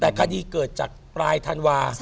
แต่คดีเกิดจากปลายธันวา